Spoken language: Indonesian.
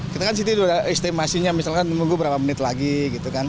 kita kan di situ sudah ada estimasinya misalkan menunggu berapa menit lagi gitu kan